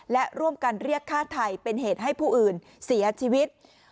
และร่วมกันเรียกฆ่าไทยเป็นเหตุให้ผู้อื่นเสียชีวิต